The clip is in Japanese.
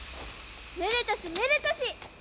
めでたしめでたし。